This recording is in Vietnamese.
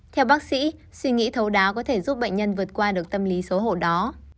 theo bác sĩ suy nghĩ thấu đáo có thể giúp bệnh nhân vượt qua được tâm lý xấu hổ đó